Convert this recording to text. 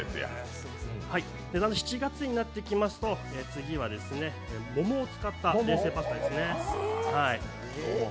７月になってきますと次は桃を使った冷製パスタですね。